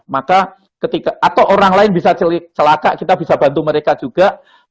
maka ketika atau orang lain bisa celaka kita bisa bantu mereka juga